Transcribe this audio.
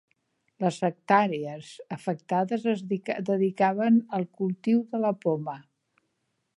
Les hectàrees afectades es dedicaven al cultiu de la poma